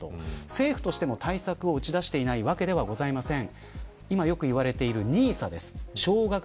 政府としても対策を打ち出していないわけではありません。